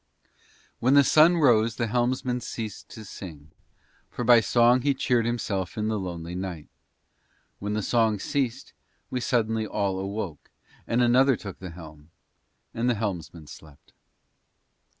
When the sun rose the helmsman ceased to sing, for by song he cheered himself in the lonely night. When the song ceased we suddenly all awoke, and another took the helm, and the helmsman slept.